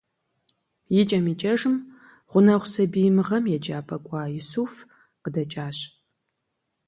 Икӏэм икӏэжым, гъунэгъу сабий - мы гъэм еджапӏэм кӏуа Исуф - къыдэкӏащ.